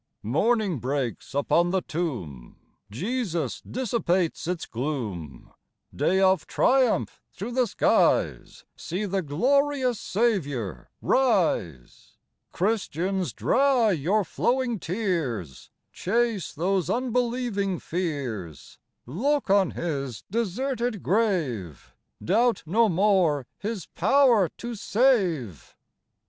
Morning breaks upon the tomb ; Jesus dissipates its gloom ; Day of triumph through the skies, See the glorious Saviour rise ! Christians, dry your flowing tears ; Chase those unbelieving fears ; Look on His deserted grave : Doubt no more His power to save.